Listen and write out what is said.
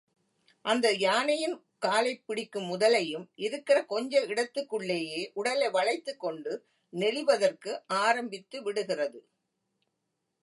அந்த யானையின் காலைப் பிடிக்கும் முதலையும், இருக்கிற கொஞ்ச இடத்துக்குள்ளேயே உடலை வளைத்துக் கொண்டு நெளிவதற்கு ஆரம்பித்து விடுகிறது.